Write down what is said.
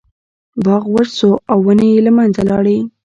باغ وچ شو او ونې یې له منځه لاړې.